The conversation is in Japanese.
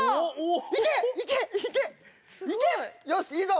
よしいいぞ！